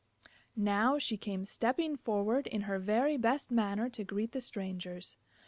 Now she came stepping forward in her very best manner to greet the strangers.